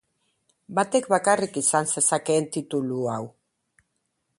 Batek bakarrik izan zezakeen titulu hau.